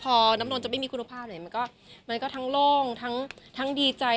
พอน้ำนนท์จะไม่มีคุณภาพไหนมันก็ทั้งโล่งทั้งดีใจ